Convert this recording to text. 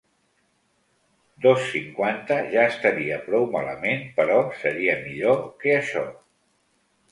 Dos cinquanta ja estaria prou malament, però seria millor que això.